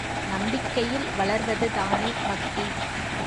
நம்பிக்கையில் வளர்வதுதானே பக்தி.